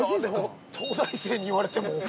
◆東大生に言われても。